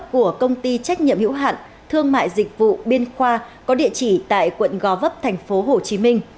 của công ty trách nhiệm hữu hạn thương mại dịch vụ biên khoa có địa chỉ tại quận gò vấp tp hcm